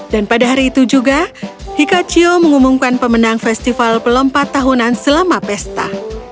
dan pada hari itu juga hikachiyo mengumumkan pemenang festival pelompat tahunan selama pesta